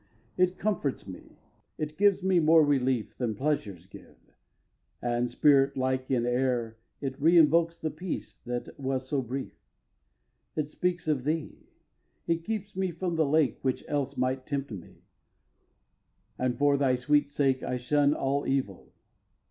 It comforts me. It gives me more relief Than pleasures give; and, spirit like in air, It re invokes the peace that was so brief. ii. It speaks of thee. It keeps me from the lake Which else might tempt me; and for thy sweet sake I shun all evil.